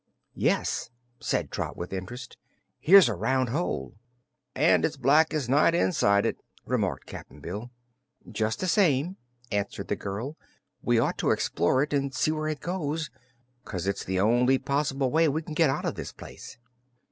"Yes," said Trot, with interest, "here's a round hole." "And it's black as night inside it," remarked Cap'n Bill. "Just the same," answered the girl, "we ought to explore it, and see where it goes, 'cause it's the only poss'ble way we can get out of this place."